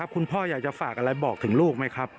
คุณพ่ออยากจะฝากอะไรบอกถึงลูกไหมครับ